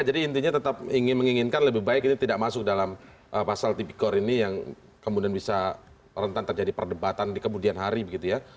jadi intinya tetap ingin menginginkan lebih baik ini tidak masuk dalam pasal tipikor ini yang kemudian bisa rentan terjadi perdebatan di kemudian hari begitu ya